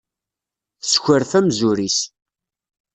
Tessekref amzur-is.